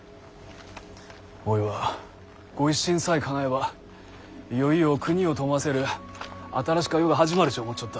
おいは御一新さえかなえばいよいよ国を富ませる新しか世が始まるち思っちょった。